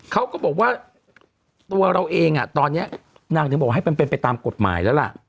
เขาก็บอกว่าตัวเราเองตอนนี้นางถึงบอกให้มันเป็นไปตามกฎหมายแล้วล่ะ